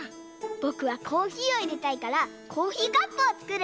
ぼくはコーヒーをいれたいからコーヒーカップをつくる！